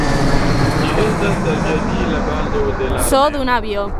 Ĝi estas aviadila bazo de la armeo.